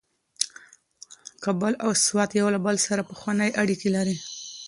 کابل او سوات یو له بل سره پخوانۍ اړیکې لري.